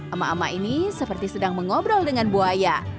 emak emak ini seperti sedang mengobrol dengan buaya